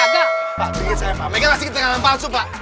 pak berhenti pak mereka masih kita tangan palsu pak